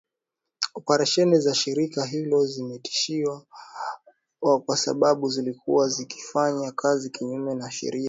Operesheni za shirika hilo zimesitishwa kwa sababu zilikuwa zikifanya kazi kinyume cha sheria.